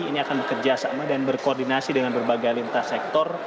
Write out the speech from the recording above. ini akan bekerja sama dan berkoordinasi dengan berbagai lintas sektor